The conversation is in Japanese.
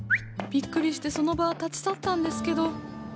びっくりしてその場は立ち去ったんですけど